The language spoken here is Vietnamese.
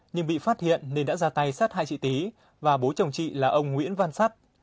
nhưng bị phát hiện nên đã ra tay sát hai chị tý và bố chồng chị là ông nguyễn văn sắt